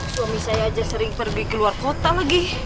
suami saya aja sering pergi keluar kota lagi